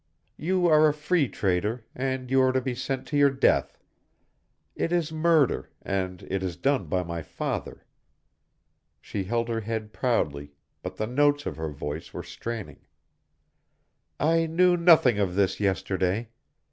You are a Free Trader, and you are to be sent to your death. It is murder, and it is done by my father." She held her head proudly, but the notes of her voice were straining. "I knew nothing of this yesterday.